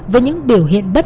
với những biểu hiện bất ngờ